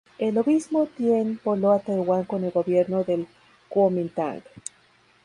El obispo Tien voló a Taiwán con el gobierno del Kuomintang.